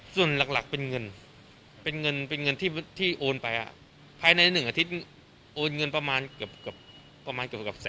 แล้วสิ่งหรือว่าสิ่งของที่น้องกระตูนมาหลอกหรือว่าไม่ใช่ความสนิทหาอ่า